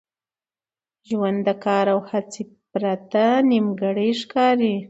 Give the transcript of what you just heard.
ژوند د کار او هڅي پرته نیمګړی ښکاري.